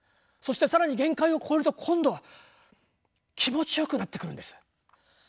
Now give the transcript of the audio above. そして更に限界を超えると今度は気持ちよくなってくるんです。